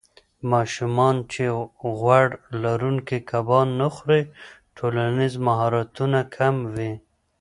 ماشومان چې غوړ لرونکي کبان نه خوري، ټولنیز مهارتونه کم وي.